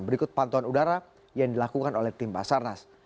berikut pantauan udara yang dilakukan oleh tim basarnas